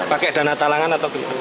pakai dana talangan atau